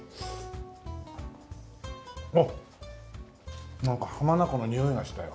あっなんか浜名湖のにおいがしたよ。